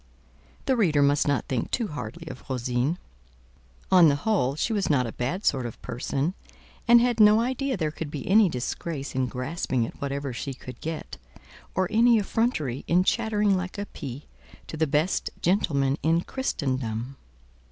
The reader must not think too hardly of Rosine; on the whole, she was not a bad sort of person, and had no idea there could be any disgrace in grasping at whatever she could get, or any effrontery in chattering like a pie to the best gentleman in Christendom.